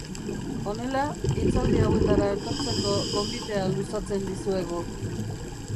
Honela hitzaldi hauetara etortzeko gonbitea luzatzen dizuegu.